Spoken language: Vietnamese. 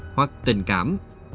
hoặc tình cảm